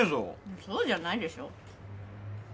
そうじゃないでしょ。